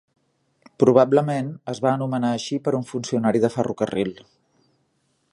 Probablement es va anomenar així per un funcionari de ferrocarril.